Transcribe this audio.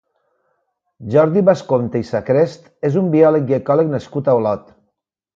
Jordi Bascompte i Sacrest és un biòleg i ecòleg nascut a Olot.